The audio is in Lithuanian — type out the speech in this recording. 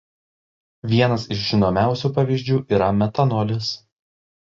Vienas iš žinomiausių pavyzdžių yra metanolis.